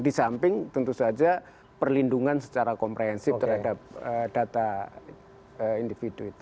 di samping tentu saja perlindungan secara komprehensif terhadap data individu itu